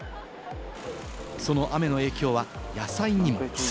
その雨の影響は野菜にも。